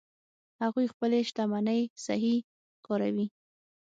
هغوی خپلې شتمنۍ صحیح کاروي